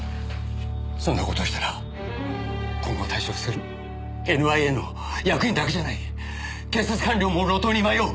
そんな事をしたら今後退職するＮＩＡの役員だけじゃない警察官僚も路頭に迷う。